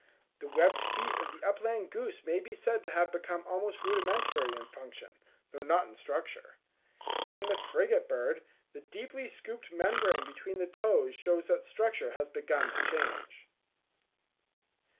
The webbed feet of the upland goose may be said to have become almost rudimentary in function, though not in structure. In the frigate bird, the deeply scooped membrane between the toes shows that structure has begun to change.